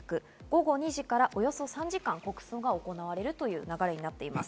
午後２時からおよそ３時間、国葬が行われるという流れです。